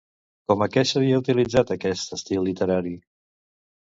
Com a què s'havia utilitzat aquest estil literari?